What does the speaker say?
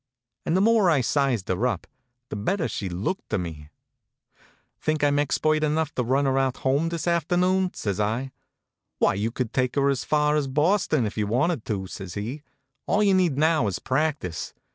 And the more I sized her up, the better she looked to me. HONK, HONK! " Think I m expert enough to run her out home this afternoon?" says I. "Why, you could take her as far as Boston, if you wanted to, says he. * All you need now is practice.